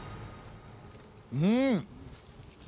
うん！